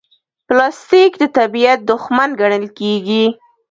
پلاستيک د طبیعت دښمن ګڼل کېږي.